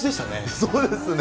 そうですね。